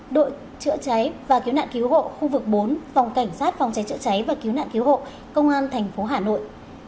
năm đội chữa cháy và cứu nạn cứu hộ khu vực bốn phòng cảnh sát phòng cháy chữa cháy và cứu nạn cứu hộ công an tp hà nội